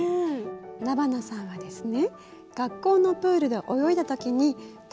那花さんはですね